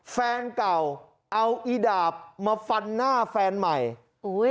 แฟนเก่าเอาอีดาบมาฟันหน้าแฟนใหม่อุ้ย